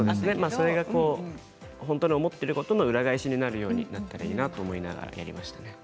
それが本当に思っていることの裏返しになるようになったらいいなと思ってやりました。